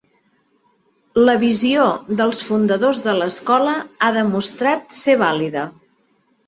La visió dels fundadors de l'escola ha demostrat ser vàlida.